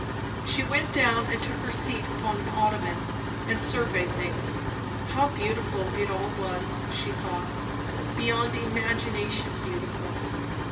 She went down and took her seat upon an ottoman, and surveyed things. How beautiful it all was, she thought; beyond imagination beautiful.